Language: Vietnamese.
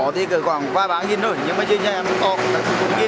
nếu có thì khoảng ba rồi nhưng mà chứ nha em không có